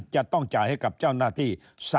จะต้องจ่ายให้กับเจ้าหน้าที่